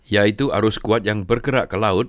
yaitu arus kuat yang bergerak ke laut